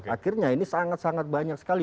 akhirnya ini sangat sangat banyak sekali